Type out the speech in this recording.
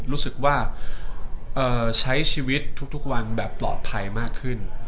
รู้สึกว่าใช้ชีวิตทุกวันแบบปลอดภัยมากขึ้น